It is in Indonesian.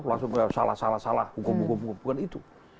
langsung salah salah hukum hukum bukan itu